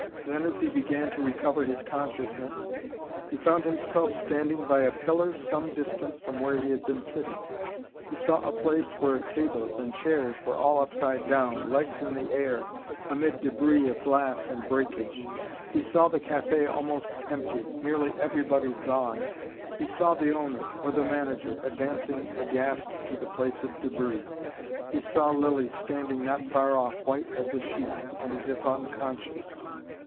Then as he began to recover his consciousness, he found himself standing by a pillar some distance from where he had been sitting: he saw a place where tables and chairs were all upside down, legs in the air, amid debris of glass and breakage: he saw the cafe almost empty, nearly everybody gone: he saw the owner, or the manager, advancing aghast to the place of debris: he saw Lilly standing not far off, white as a sheet, and as if unconscious.